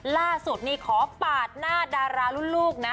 ล่าสุดนี่ขอปาดหน้าดารารุ่นลูกนะ